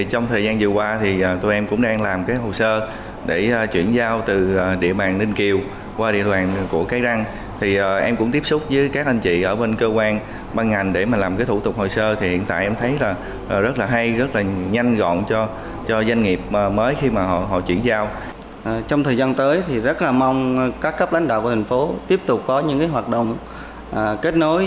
trong thời gian tới rất mong các cấp lãnh đạo của thành phố tiếp tục có những hoạt động kết nối